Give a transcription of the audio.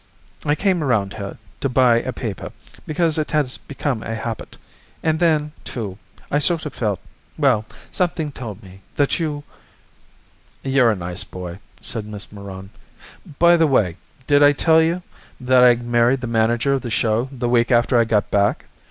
I came around here to buy a paper, because it has become a habit. And then, too, I sort of felt well, something told me that you " "You're a nice boy," said Miss Meron. "By the way, did I tell you that I married the manager of the show the week after I got back?